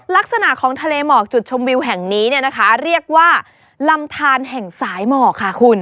ลักษณะของทะเลหมอกจุดชมวิวแห่งนี้เนี่ยนะคะเรียกว่าลำทานแห่งสายหมอกค่ะคุณ